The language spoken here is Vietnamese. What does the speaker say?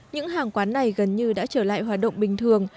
những hàng quán này gần như đã trở lại hoạt động bình thường